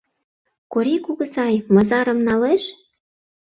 Корий кугызай мызарым налеш?